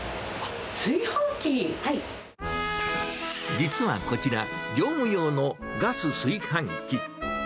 実はこちら、業務用のガス炊飯器。